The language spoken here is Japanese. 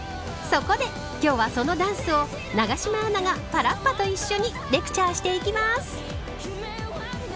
そこで、今日はそのダンスを永島アナがパラッパと一緒にレクチャーしていきます。